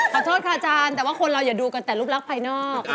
ขอโทษค่ะอาจารย์แต่ว่าคนเราอย่าดูกันแต่รูปลักษณ์ภายนอก